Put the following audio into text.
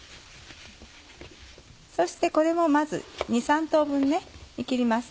そしてこれもまず２３等分に切ります。